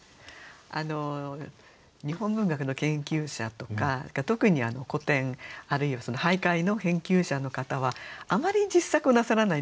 日本文学の研究者とか特に古典あるいは俳諧の研究者の方はあまり実作をなさらないんですよね。